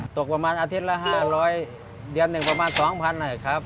ตกประมาณอาทิตย์ละ๕๐๐เดือนหนึ่งประมาณ๒๐๐นะครับ